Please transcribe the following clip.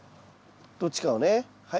どっちかをねはい。